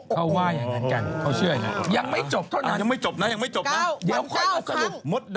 เขาว่ายอย่างงั้นกัน